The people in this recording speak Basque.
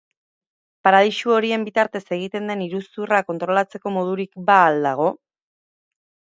Paradisu horien bitartez egiten den iruzurra kontrolatzeko modurik ba ahal dago?